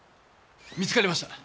見つかりました。